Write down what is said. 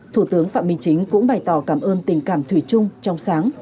thủ tướng phạm minh chính cũng bày tỏ cảm ơn tình cảm thủy chung trong sáng